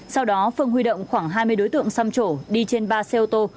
sau đó phương huy động khoảng hai mươi đối tượng xăm chỗ đi trên ba xe ô tô